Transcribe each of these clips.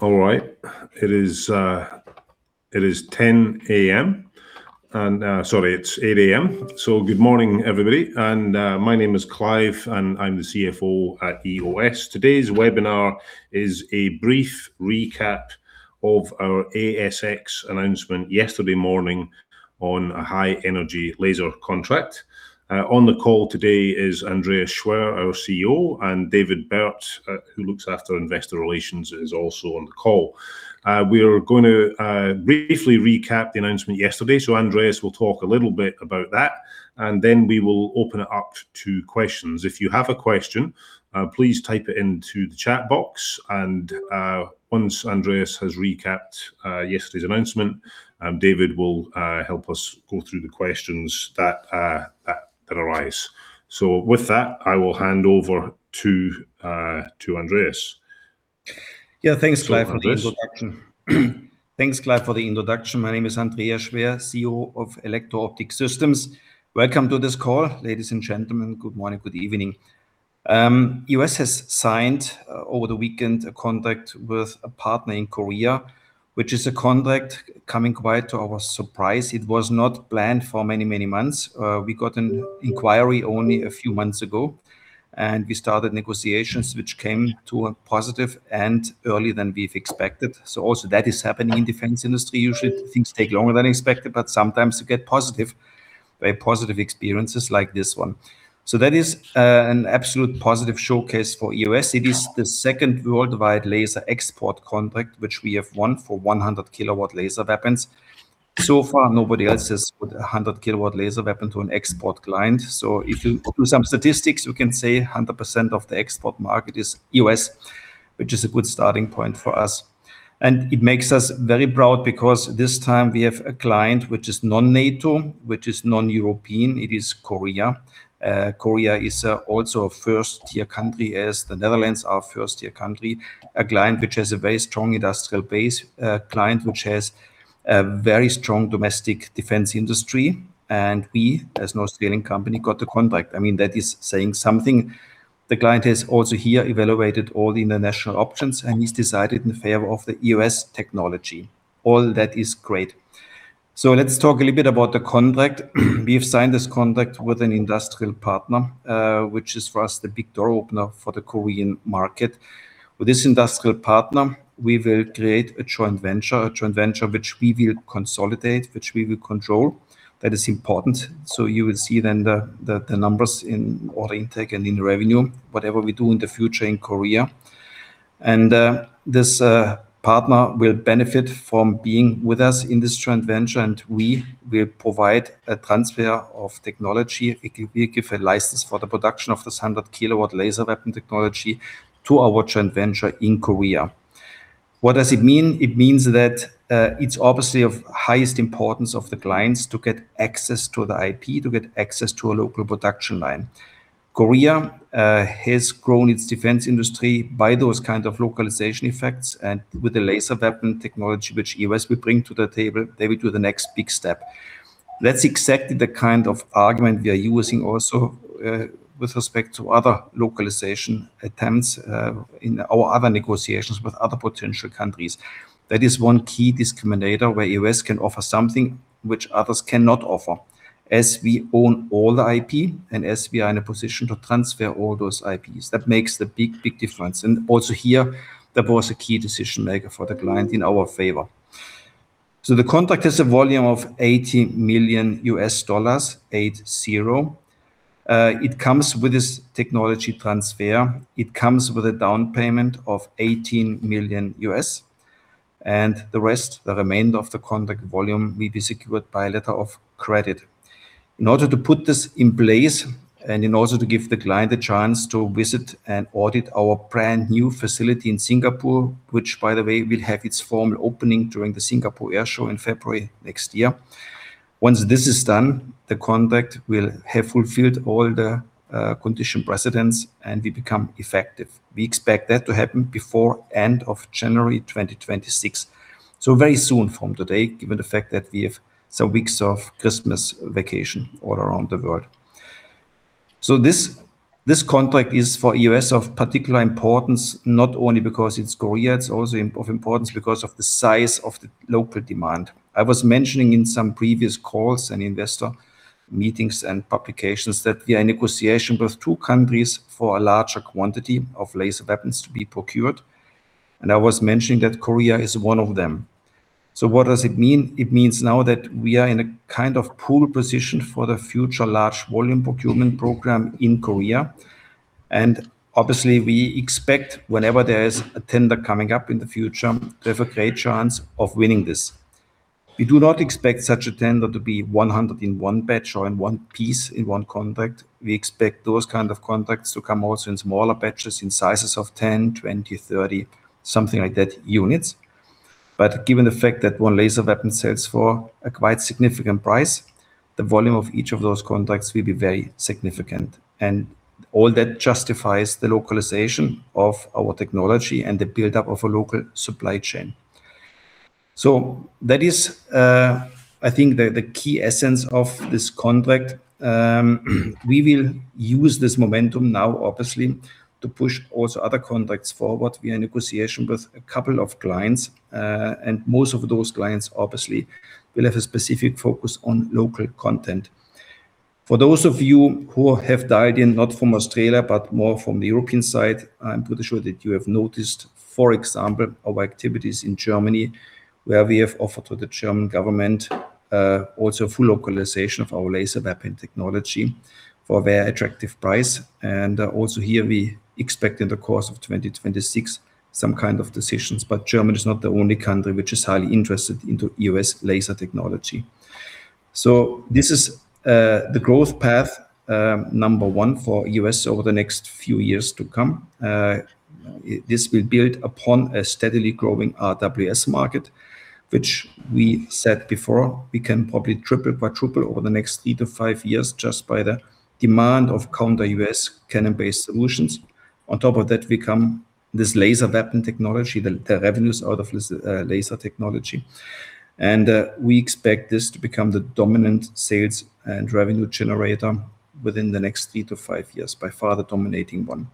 All right. It is 10:00 A.M. Sorry, it's 8:00 A.M. So good morning, everybody. My name is Clive, and I'm the CFO at EOS. Today's webinar is a brief recap of our ASX announcement yesterday morning on a high-energy laser contract. On the call today is Andreas Schwer, our CEO, and David Bert, who looks after investor relations, is also on the call. We are going to briefly recap the announcement yesterday. So Andreas will talk a little bit about that, and then we will open it up to questions. If you have a question, please type it into the chat box. And once Andreas has recapped yesterday's announcement, David will help us go through the questions that arise. So with that, I will hand over to Andreas. Yeah, thanks, Clive, for the introduction. My name is Andreas Schwer, CEO of Electro Optic Systems. Welcome to this call, ladies and gentlemen. Good morning, good evening. EOS has signed over the weekend a contract with a partner in Korea, which is a contract coming quite to our surprise. It was not planned for many, many months. We got an inquiry only a few months ago, and we started negotiations, which came to a positive end earlier than we've expected. So also that is happening in the defense industry. Usually, things take longer than expected, but sometimes you get positive, very positive experiences like this one. So that is an absolute positive showcase for EOS. It is the second worldwide laser export contract, which we have won for 100 kW laser weapons. So far, nobody else has put a 100 kW laser weapon to an export client. So if you do some statistics, you can say 100% of the export market is EOS, which is a good starting point for us. And it makes us very proud because this time we have a client which is non-NATO, which is non-European. It is Korea. Korea is also a first-tier country, as the Netherlands are a first-tier country. A client which has a very strong industrial base, a client which has a very strong domestic defense industry. And we, as an Australian company, got the contract. I mean, that is saying something. The client has also here evaluated all the international options, and he's decided in favor of the EOS technology. All that is great. So let's talk a little bit about the contract. We have signed this contract with an industrial partner, which is for us the big door opener for the Korean market. With this industrial partner, we will create a joint venture, a joint venture which we will consolidate, which we will control. That is important. So you will see then the numbers in order intake and in revenue, whatever we do in the future in Korea. And this partner will benefit from being with us in this joint venture, and we will provide a transfer of technology. We give a license for the production of this 100 kilowatt laser weapon technology to our joint venture in Korea. What does it mean? It means that it's obviously of highest importance for the clients to get access to the IP, to get access to a local production line. Korea has grown its defense industry by those kinds of localization effects, and with the laser weapon technology, which EOS will bring to the table, they will do the next big step. That's exactly the kind of argument we are using also with respect to other localization attempts in our other negotiations with other potential countries. That is one key discriminator where EOS can offer something which others cannot offer, as we own all the IP and as we are in a position to transfer all those IPs. That makes the big, big difference. And also here, that was a key decision maker for the client in our favor. So the contract has a volume of $80 million, 8-0. It comes with this technology transfer. It comes with a down payment of $18 million, and the rest, the remainder of the contract volume, will be secured by a letter of credit. In order to put this in place and in order to give the client a chance to visit and audit our brand new facility in Singapore, which, by the way, will have its formal opening during the Singapore Airshow in February next year. Once this is done, the contract will have fulfilled all the condition precedents, and we become effective. We expect that to happen before the end of January 2026. So very soon from today, given the fact that we have some weeks of Christmas vacation all around the world. So this contract is for EOS of particular importance, not only because it's Korea, it's also of importance because of the size of the local demand. I was mentioning in some previous calls and investor meetings and publications that we are in negotiation with two countries for a larger quantity of laser weapons to be procured. And I was mentioning that Korea is one of them. So what does it mean? It means now that we are in a kind of pole position for the future large volume procurement program in Korea. And obviously, we expect whenever there is a tender coming up in the future to have a great chance of winning this. We do not expect such a tender to be 100 in one batch or in one piece in one contract. We expect those kinds of contracts to come also in smaller batches in sizes of 10, 20, 30, something like that units. But given the fact that one laser weapon sells for a quite significant price, the volume of each of those contracts will be very significant. And all that justifies the localization of our technology and the buildup of a local supply chain. So that is, I think, the key essence of this contract. We will use this momentum now, obviously, to push also other contracts forward. We are in negotiation with a couple of clients, and most of those clients, obviously, will have a specific focus on local content. For those of you who have dialed in, not from Australia, but more from the European side, I'm pretty sure that you have noticed, for example, our activities in Germany, where we have offered to the German government also full localization of our laser weapon technology for a very attractive price. And also here, we expect in the course of 2026 some kind of decisions. But Germany is not the only country which is highly interested in EOS laser technology. So this is the growth path, number one, for EOS over the next few years to come. This will build upon a steadily growing RWS market, which we said before we can probably triple by triple over the next three to five years just by the demand of counter-UAS cannon-based solutions. On top of that, we come with this laser weapon technology, the revenues out of laser technology. And we expect this to become the dominant sales and revenue generator within the next three to five years, by far the dominating one.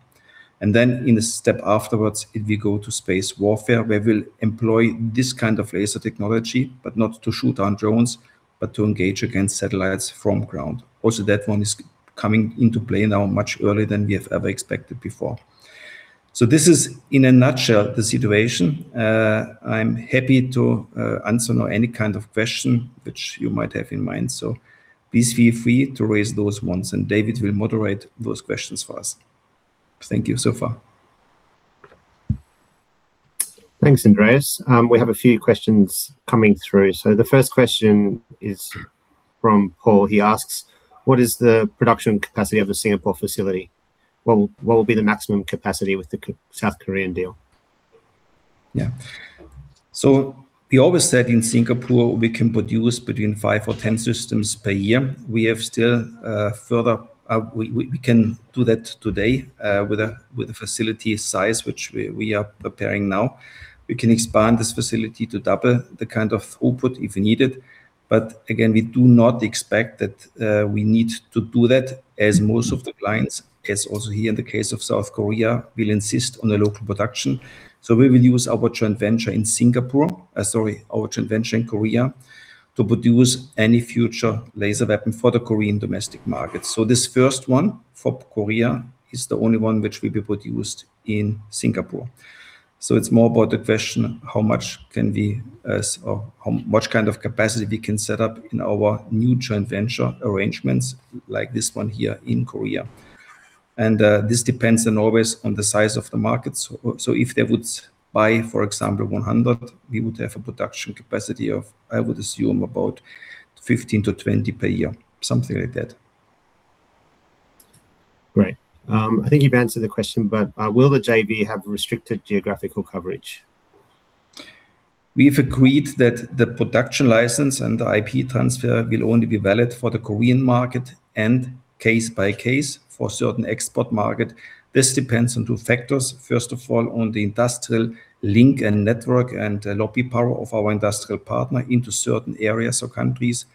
And then in the step afterwards, if we go to space warfare, we will employ this kind of laser technology, but not to shoot down drones, but to engage against satellites from ground. Also, that one is coming into play now much earlier than we have ever expected before. So this is, in a nutshell, the situation. I'm happy to answer any kind of question which you might have in mind. So please feel free to raise those ones, and David will moderate those questions for us. Thank you so far. Thanks, Andreas. We have a few questions coming through. So the first question is from Paul. He asks, what is the production capacity of a Singapore facility? What will be the maximum capacity with the South Korean deal? Yeah. So we always said in Singapore, we can produce between five or 10 systems per year. We can still further do that today with a facility size which we are preparing now. We can expand this facility to double the kind of throughput if needed. But again, we do not expect that we need to do that, as most of the clients, as also here in the case of South Korea, will insist on a local production. So we will use our joint venture in Singapore, sorry, our joint venture in Korea, to produce any future laser weapon for the Korean domestic market. So this first one for Korea is the only one which will be produced in Singapore. So it's more about the question, how much can we, or how much kind of capacity we can set up in our new joint venture arrangements like this one here in Korea. And this depends then always on the size of the market. So if they would buy, for example, 100, we would have a production capacity of, I would assume, about 15-20 per year, something like that. Great. I think you've answered the question, but will the JV have restricted geographical coverage? We've agreed that the production license and the IP transfer will only be valid for the Korean market and case by case for certain export market. This depends on two factors. First of all, on the industrial link and network and lobby power of our industrial partner into certain areas or countries.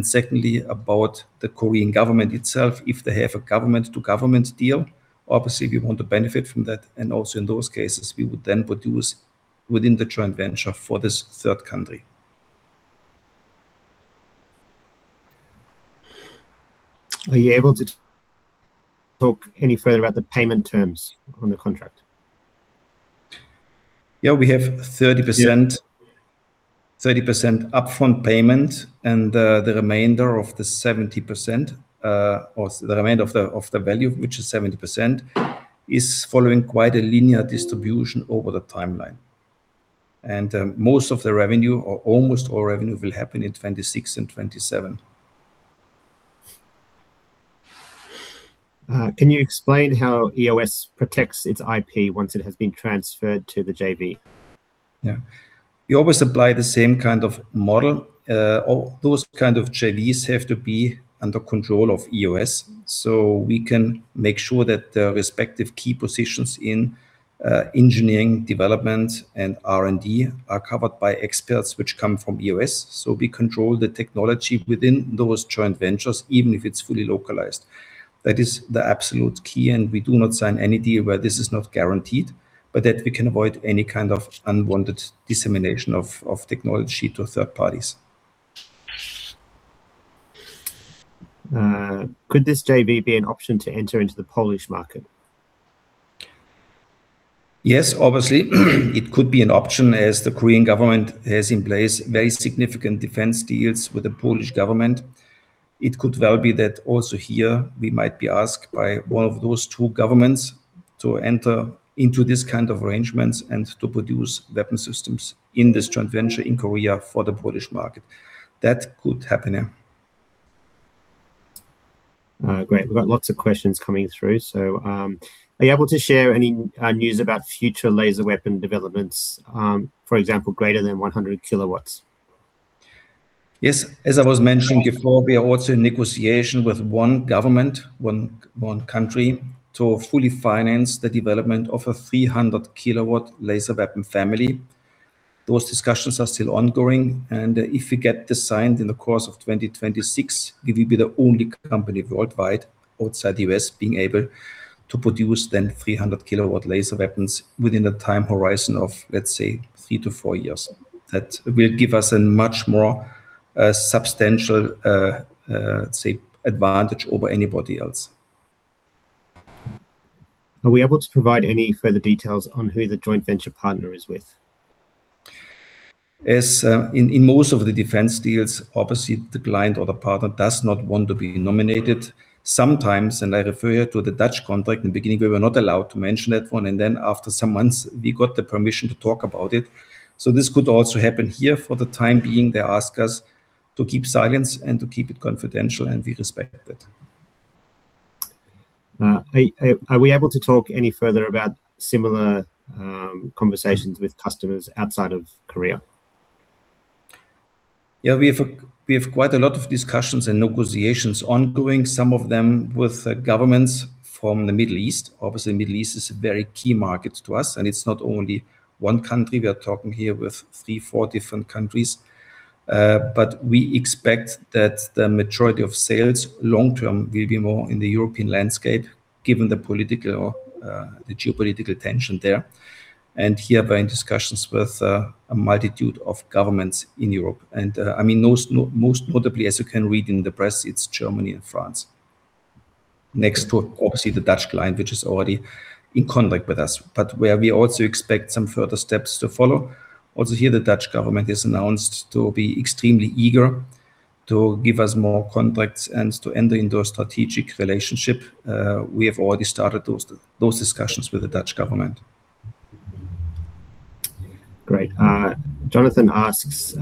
Secondly, about the Korean government itself, if they have a government-to-government deal, obviously, we want to benefit from that. Also in those cases, we would then produce within the joint venture for this third country. Are you able to talk any further about the payment terms on the contract? Yeah, we have 30% upfront payment, and the remainder of the 70%, or the remainder of the value, which is 70%, is following quite a linear distribution over the timeline. And most of the revenue, or almost all revenue, will happen in 2026 and 2027. Can you explain how EOS protects its IP once it has been transferred to the JV? Yeah. We always apply the same kind of model. All those kinds of JVs have to be under control of EOS, so we can make sure that the respective key positions in engineering, development, and R&D are covered by experts which come from EOS. So we control the technology within those joint ventures, even if it's fully localized. That is the absolute key, and we do not sign any deal where this is not guaranteed, but that we can avoid any kind of unwanted dissemination of technology to third parties. Could this JV be an option to enter into the Polish market? Yes, obviously, it could be an option, as the Korean government has in place very significant defense deals with the Polish government. It could well be that also here we might be asked by one of those two governments to enter into this kind of arrangements and to produce weapon systems in this joint venture in Korea for the Polish market. That could happen. Great. We've got lots of questions coming through. So are you able to share any news about future laser weapon developments, for example, greater than 100 kW? Yes. As I was mentioning before, we are also in negotiation with one government, one country, to fully finance the development of a 300 kW laser weapon family. Those discussions are still ongoing. And if we get this signed in the course of 2026, we will be the only company worldwide outside the U.S. being able to produce then 300 kW laser weapons within the time horizon of, let's say, three to four years. That will give us a much more substantial, let's say, advantage over anybody else. Are we able to provide any further details on who the joint venture partner is with? As in most of the defense deals, obviously, the client or the partner does not want to be nominated. Sometimes, and I refer here to the Dutch contract, in the beginning, we were not allowed to mention that one, and then after some months, we got the permission to talk about it, so this could also happen here for the time being. They ask us to keep silence and to keep it confidential, and we respect that. Are we able to talk any further about similar conversations with customers outside of Korea? Yeah, we have quite a lot of discussions and negotiations ongoing, some of them with governments from the Middle East. Obviously, the Middle East is a very key market to us, and it's not only one country. We are talking here with three, four different countries. But we expect that the majority of sales long-term will be more in the European landscape, given the political, the geopolitical tension there, and hereby in discussions with a multitude of governments in Europe. And I mean, most notably, as you can read in the press, it's Germany and France, next to obviously the Dutch client, which is already in contact with us. But where we also expect some further steps to follow, also here, the Dutch government has announced to be extremely eager to give us more contracts and to enter into a strategic relationship. We have already started those discussions with the Dutch government. Great. Jonathan asks,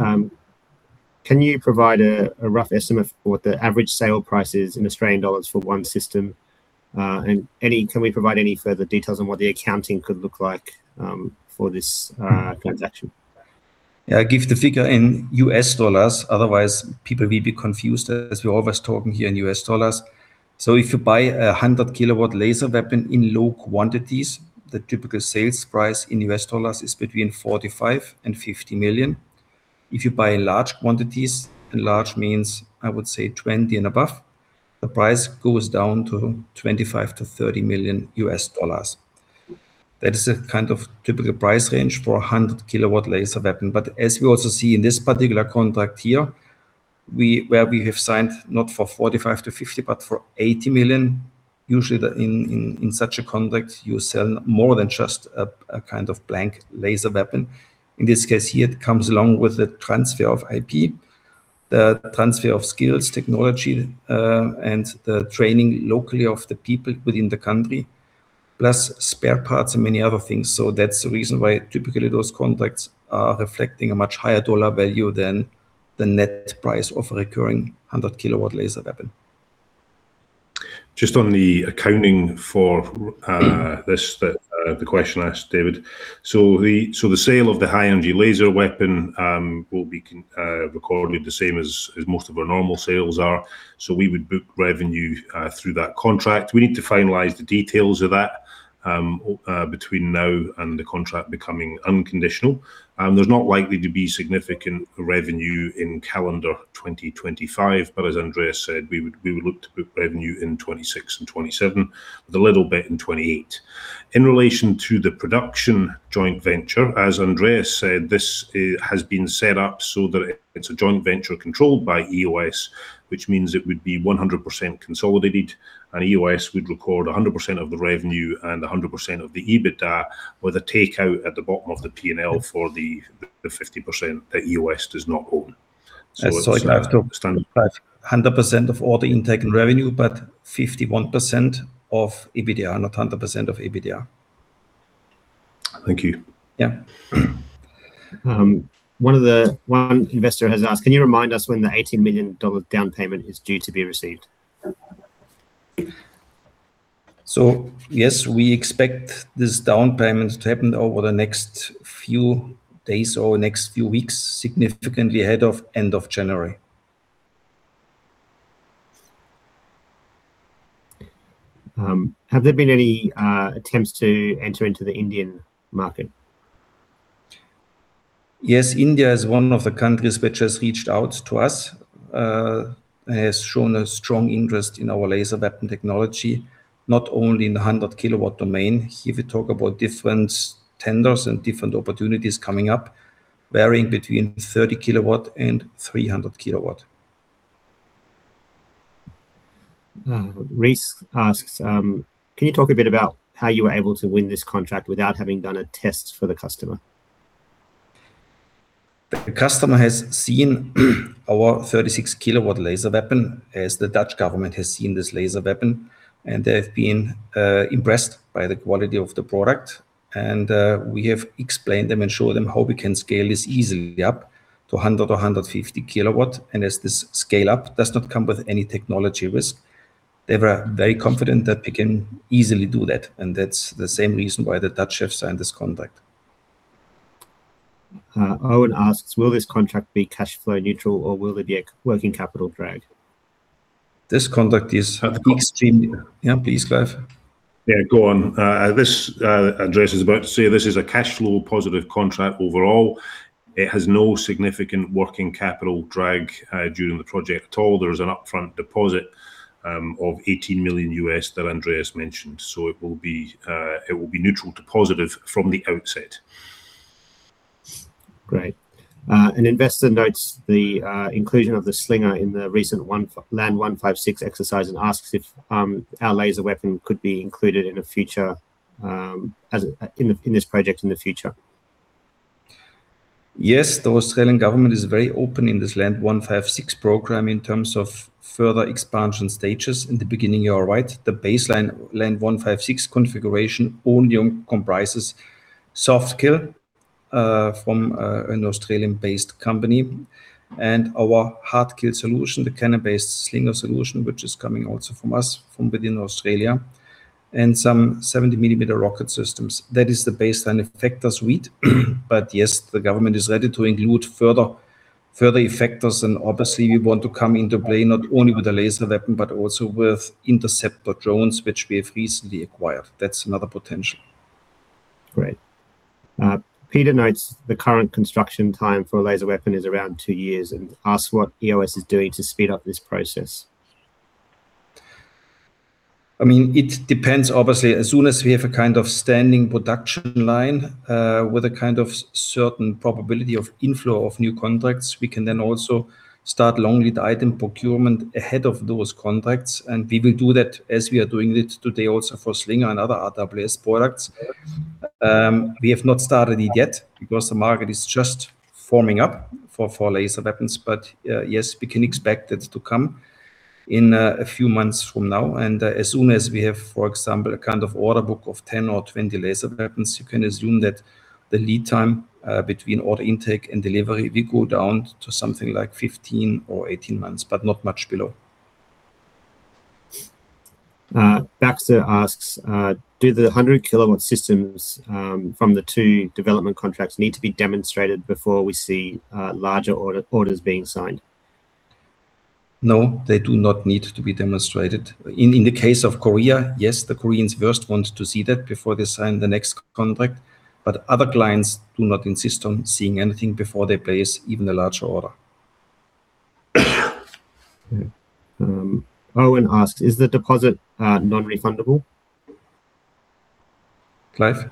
can you provide a rough estimate for what the average sale price is in Australian dollars for one system? And can we provide any further details on what the accounting could look like for this transaction? Yeah, I give the figure in U.S. dollars. Otherwise, people will be confused as we're always talking here in U.S. dollars. So if you buy a 100 kW laser weapon in low quantities, the typical sales price in U.S. dollars is between $45 million and $50 million. If you buy large quantities, and large means, I would say, 20 and above, the price goes down to $25 million-$30 million U.S. dollars. That is a kind of typical price range for a 100 kW laser weapon. But as we also see in this particular contract here, where we have signed not for $45 million-$50 million, but for $80 million, usually in such a contract, you sell more than just a kind of blank laser weapon. In this case here, it comes along with the transfer of IP, the transfer of skills, technology, and the training locally of the people within the country, plus spare parts and many other things. So that's the reason why typically those contracts are reflecting a much higher dollar value than the net price of a recurring 100 kW laser weapon. Just on the accounting for this, the question asked, David. So the sale of the high-energy laser weapon will be recorded the same as most of our normal sales are. So we would book revenue through that contract. We need to finalize the details of that between now and the contract becoming unconditional. There's not likely to be significant revenue in calendar 2025, but as Andreas said, we would look to book revenue in 2026 and 2027, with a little bit in 2028. In relation to the production joint venture, as Andreas said, this has been set up so that it's a joint venture controlled by EOS, which means it would be 100% consolidated, and EOS would record 100% of the revenue and 100% of the EBITDA, with a takeout at the bottom of the P&L for the 50% that EOS does not own. So it's like 100% of all the intake and revenue, but 51% of EBITDA, not 100% of EBITDA. Thank you. Yeah. One investor has asked, Can you remind us when the $18 million down payment is due to be received? Yes, we expect this down payment to happen over the next few days or next few weeks, significantly ahead of end of January. Have there been any attempts to enter into the Indian market? Yes, India is one of the countries which has reached out to us and has shown a strong interest in our laser weapon technology, not only in the 100 kW domain. Here we talk about different tenders and different opportunities coming up, varying between 30 kW and 300 kW. Rhys asks, can you talk a bit about how you were able to win this contract without having done a test for the customer? The customer has seen our 36 kW laser weapon, as the Dutch government has seen this laser weapon, and they have been impressed by the quality of the product. We have explained them and showed them how we can scale this easily up to 100- or 150-kW. As this scale-up does not come with any technology risk, they were very confident that we can easily do that. That's the same reason why the Dutch have signed this contract. Owen asks, will this contract be cash flow neutral, or will there be a working capital drag? This contract is extremely. Yeah, please, Clive. Yeah, go on. This Andreas is about to say, this is a cash flow positive contract overall. It has no significant working capital drag during the project at all. There is an upfront deposit of $18 million that Andreas mentioned. So it will be neutral to positive from the outset. Great. An investor notes the inclusion of the Slinger in the recent LAND 156 exercise and asks if our laser weapon could be included in a future in this project in the future. Yes, the Australian government is very open in this LAND 156 program in terms of further expansion stages. In the beginning, you are right. The baseline LAND 156 configuration only comprises soft kill from an Australian-based company and our hard kill solution, the cannon-based Slinger solution, which is coming also from us from within Australia and some 70 mm rocket systems. That is the baseline effector suite. But yes, the government is ready to include further effectors. And obviously, we want to come into play not only with a laser weapon, but also with interceptor drones, which we have recently acquired. That's another potential. Great. Peter notes the current construction time for a laser weapon is around two years and asks what EOS is doing to speed up this process. I mean, it depends, obviously. As soon as we have a kind of standing production line with a kind of certain probability of inflow of new contracts, we can then also start long lead item procurement ahead of those contracts. And we will do that as we are doing it today also for Slinger and other RWS products. We have not started it yet because the market is just forming up for laser weapons. But yes, we can expect it to come in a few months from now. And as soon as we have, for example, a kind of order book of 10 or 20 laser weapons, you can assume that the lead time between order intake and delivery will go down to something like 15 or 18 months, but not much below. Baxter asks, Do the 100 kW systems from the two development contracts need to be demonstrated before we see larger orders being signed? No, they do not need to be demonstrated. In the case of Korea, yes, the Koreans first want to see that before they sign the next contract. But other clients do not insist on seeing anything before they place even a larger order. Owen asks, is the deposit non-refundable? Clive?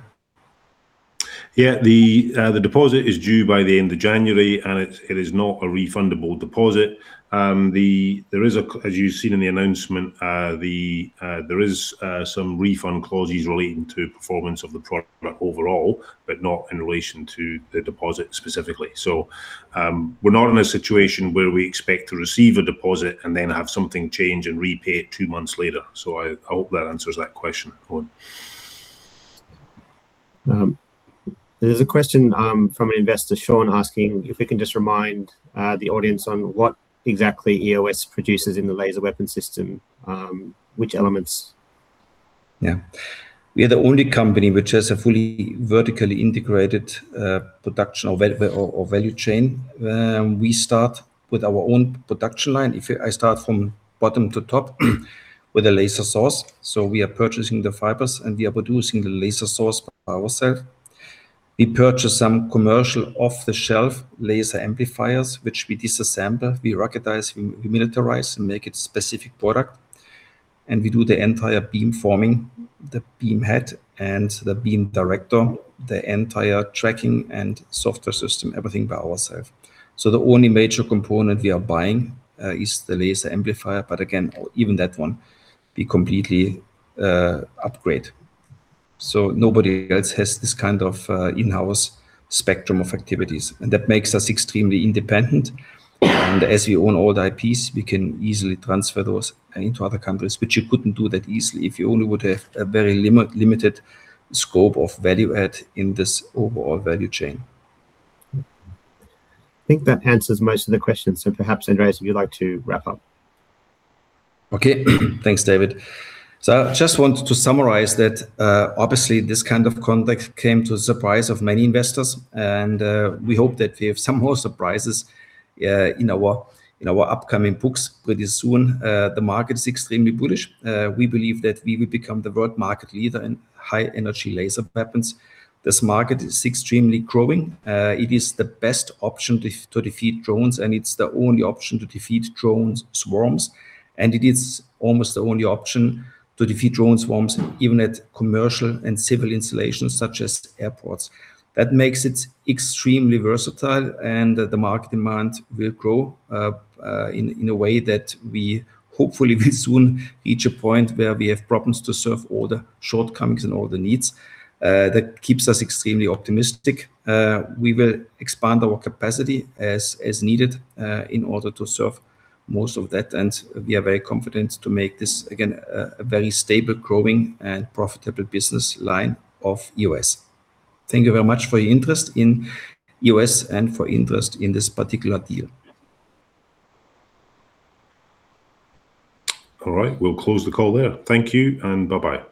Yeah, the deposit is due by the end of January, and it is not a refundable deposit. There is, as you've seen in the announcement, there are some refund clauses relating to performance of the product overall, but not in relation to the deposit specifically. So we're not in a situation where we expect to receive a deposit and then have something change and repay it two months later. So I hope that answers that question, Owen. There's a question from an investor, Sean, asking if we can just remind the audience on what exactly EOS produces in the laser weapon system, which elements. Yeah. We are the only company which has a fully vertically integrated production or value chain. We start with our own production line. I start from bottom to top with a laser source. So we are purchasing the fibers, and we are producing the laser source by ourselves. We purchase some commercial off-the-shelf laser amplifiers, which we disassemble, we ruggedize, we militarize, and make it a specific product. And we do the entire beam forming, the beam head and the beam director, the entire tracking and software system, everything by ourselves. So the only major component we are buying is the laser amplifier. But again, even that one we completely upgrade. So nobody else has this kind of in-house spectrum of activities. And that makes us extremely independent. As we own all the IPs, we can easily transfer those into other countries, which you couldn't do that easily if you only would have a very limited scope of value add in this overall value chain. I think that answers most of the questions. So perhaps, Andreas, would you like to wrap up? Okay. Thanks, David, so I just want to summarize that, obviously, this kind of contract came to the surprise of many investors, and we hope that we have some more surprises in our upcoming books pretty soon. The market is extremely bullish. We believe that we will become the world market leader in high-energy laser weapons. This market is extremely growing. It is the best option to defeat drones, and it's the only option to defeat drone swarms, and it is almost the only option to defeat drone swarms even at commercial and civil installations such as airports. That makes it extremely versatile, and the market demand will grow in a way that we hopefully will soon reach a point where we have problems to serve all the shortcomings and all the needs. That keeps us extremely optimistic. We will expand our capacity as needed in order to serve most of that, and we are very confident to make this, again, a very stable, growing, and profitable business line of EOS. Thank you very much for your interest in EOS and for interest in this particular deal. All right. We'll close the call there. Thank you and bye-bye.